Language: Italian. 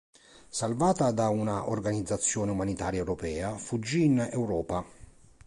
Salvata da una organizzazione umanitaria europea, fuggì in Europa.